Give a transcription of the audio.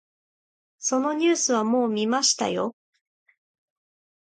そのニュースはもう見ましたよ。